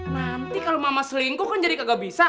nanti kalau mama selingkuh kan jadi gak bisa